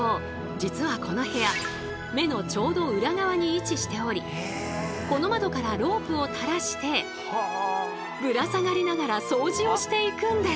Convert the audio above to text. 実はこの部屋目のちょうど裏側に位置しておりこの窓からロープを垂らしてぶら下がりながら掃除をしていくんです。